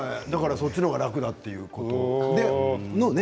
そっちのほうが楽だということですよね。